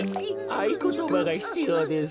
あいことばがひつようです。